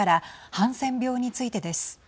ハンセン病についてです。